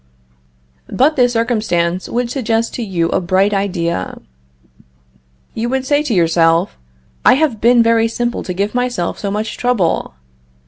But this circumstance would suggest to you a bright idea. You would say to yourself: "I have been very simple to give myself so much trouble.